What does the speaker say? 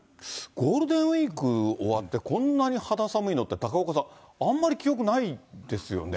ゴールデンウィーク終わって、こんなに肌寒いのって、高岡さん、あんまり記憶ないですよね。